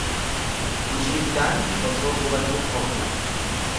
Bishingaan osoo gubatuu kofla.